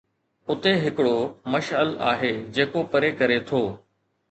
اتي ھڪڙو مشعل آھي جيڪو پري ڪري ٿو